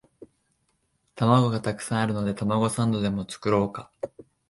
玉子がたくさんあるのでたまごサンドでも作ろうか